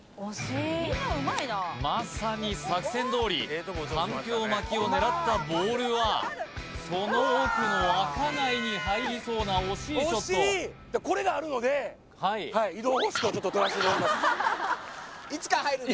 まさに作戦どおりかんぴょう巻を狙ったボールはその奥の赤貝に入りそうな惜しいショットはいはい移動方式をちょっととらせていただきます